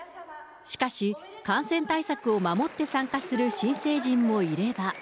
しかし、感染対策を守って参加する新成人もいれば。